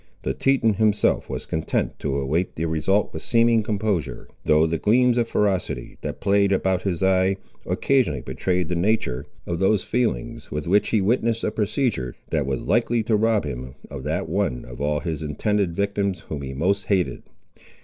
The Teton himself was content to await the result with seeming composure, though the gleams of ferocity, that played about his eye, occasionally betrayed the nature of those feelings, with which he witnessed a procedure, that was likely to rob him of that one of all his intended victims whom he most hated.